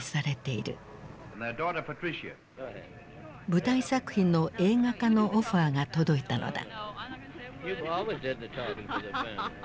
舞台作品の映画化のオファーが届いたのだ。